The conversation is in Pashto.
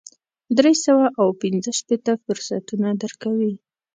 درې سوه او پنځه شپېته فرصتونه درکوي.